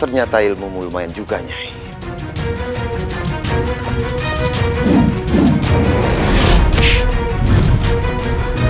ternyata ilmumu lumayan juga nih